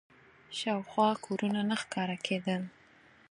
شاوخوا کورونه نه ښکاره کېدل.